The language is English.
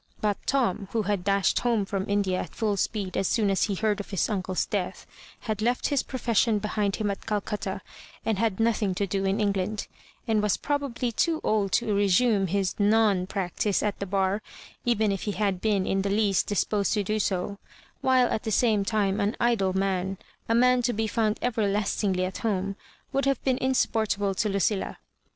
But Tom, who had dashed home from India at Aill speed as soon as he heard of his uncle's death, had left his profession behind him at Calcutta^ and had nothing to do in England, and was probably too old to resume his (non ) practice at the bar, even if he had been in the least disposed to do so; while, at the same time, an idle man — a man to be found everlastingly at home — ^would have been insupportable to LudUa.